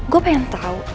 gue pengen tau